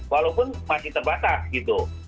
walaupun masih terbatas gitu